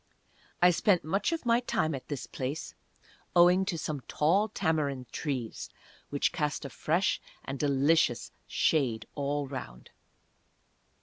I spent much of my time at this place, owing to some tall tamarind trees, which cast a fresh and delicious shade all around.